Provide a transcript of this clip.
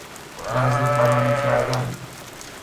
وزنه پرانی کردن